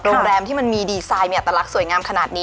เห็นว่าเป็นเจ้าของโรงแรมก็อยากเป็นหลานกันดี